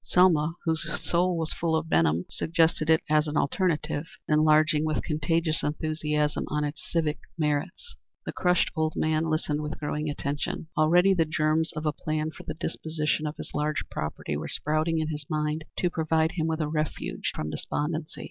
Selma, whose soul was full of Benham, suggested it as an alternative, enlarging with contagious enthusiasm on its civic merits. The crushed old man listened with growing attention. Already the germs of a plan for the disposition of his large property were sprouting in his mind to provide him with a refuge from despondency.